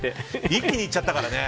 一気にいっちゃったからね。